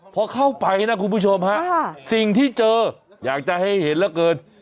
พอเข้าไปนะคุณผู้ชมฮะสิ่งที่เจออยากจะให้เห็นเหลือเกิน